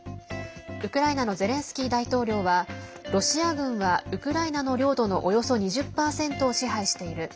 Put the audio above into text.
ウクライナのゼレンスキー大統領はロシア軍は、ウクライナの領土のおよそ２０％を支配している。